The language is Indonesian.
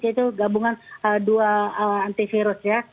yaitu gabungan dua antivirus ya